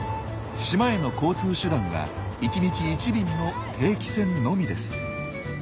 島への交通手段は１日１便の定期船のみです。